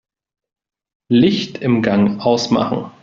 Licht im Gang ausmachen.